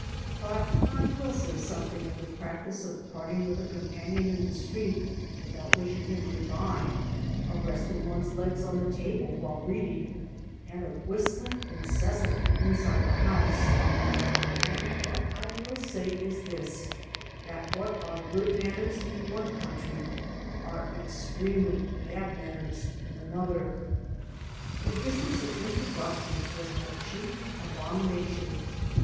But I will say something of the practice of parting with a companion in the street without wishmg THE AMERICAN AS HE IS him good by, of resting one's legs on the table while reading, and of whistling incessantly inside the house; and what I will say is this: that what are good manners in one country are extremely bad manners in another. The business of introductions was my chief abomina tion.